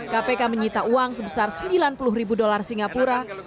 kpk menyita uang sebesar sembilan puluh ribu dolar singapura